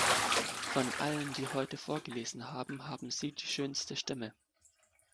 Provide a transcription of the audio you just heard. Von allen, die heute vorgelesen haben, haben Sie die schönste Stimme.